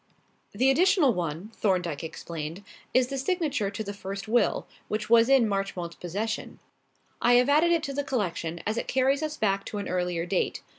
"The additional one," Thorndyke explained, "is the signature to the first will, which was in Marchmont's possession. I have added it to the collection as it carries us back to an earlier date.